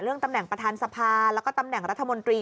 ตำแหน่งประธานสภาแล้วก็ตำแหน่งรัฐมนตรี